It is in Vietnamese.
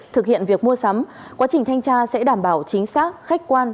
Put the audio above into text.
thực hiện việc mua sắm quá trình thanh tra sẽ đảm bảo chính xác khách quan